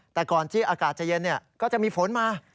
แต่ก่อนที่อากาศจะเย็นก็จะมีฝนมา